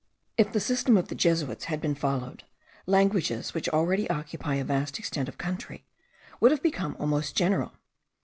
If the system of the Jesuits had been followed, languages, which already occupy a vast extent of country, would have become almost general.